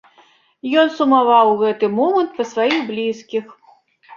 Ён сумаваў у гэты момант па сваіх блізкіх.